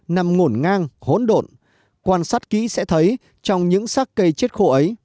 nằm ngổn ngang hốn đột quan sát ký sẽ thấy trong những xác cây chết khô ấy